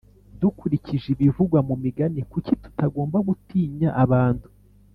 Dukurikije ibivugwa mu Migani kuki tutagomba gutinya abantu